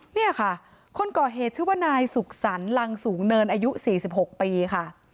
เนี่ยค่ะคนก่อเหตุชื่อว่านายสุขสรรค์ลังสูงเนินอายุ๔๖ปีค่ะ